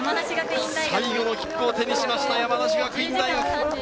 最後の切符を手にしました山梨学院大学。